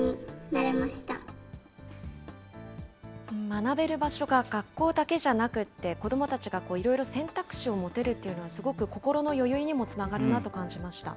学べる場所が学校だけじゃなくて、子どもたちがいろいろ選択肢を持てるっていうのは、すごく心の余裕にもつながるなと感じました。